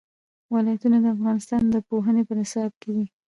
ولایتونه د افغانستان د پوهنې په نصاب کې دي.